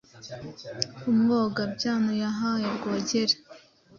Umwoga-byano yahaye Rwogera .